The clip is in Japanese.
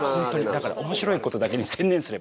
だから面白いことだけに専念すればいいから。